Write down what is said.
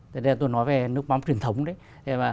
thế nên tôi nói về nước mắm truyền thống đấy